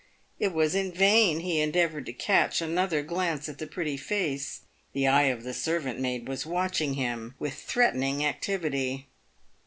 It was in vain he endeavoured to catch another glance at the pretty face — the eye of the servant maid was watching him with threatening activity.